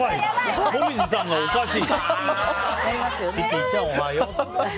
紅葉さん、おかしいって。